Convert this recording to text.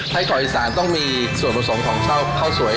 ไส้กรอกอีสานต้องมีส่วนผสมของเช่าข้าวสวย